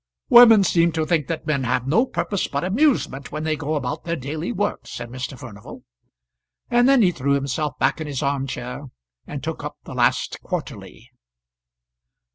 "Women seem to think that men have no purpose but amusement when they go about their daily work," said Mr. Furnival; and then he threw himself back in his arm chair, and took up the last Quarterly.